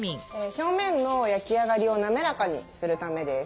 表面の焼き上がりを滑らかにするためです。